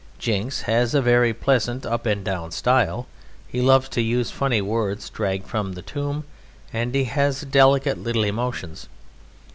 Jinks has a very pleasant up and down style. He loves to use funny words dragged from the tomb, and he has delicate little emotions.